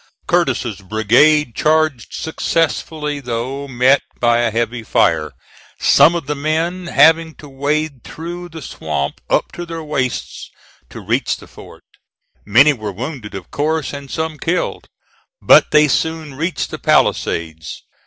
Curtis's brigade charged successfully though met by a heavy fire, some of the men having to wade through the swamp up to their waists to reach the fort. Many were wounded, of course, and some killed; but they soon reached the palisades.